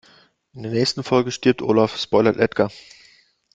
In der nächsten Folge stirbt Olaf, spoilert Edgar.